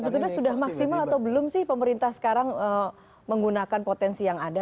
sebetulnya sudah maksimal atau belum sih pemerintah sekarang menggunakan potensi yang ada